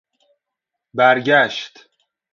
برگشت